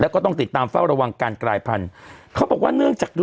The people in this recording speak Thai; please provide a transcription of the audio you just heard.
แล้วก็ต้องติดตามเฝ้าระวังการกลายพันธุ์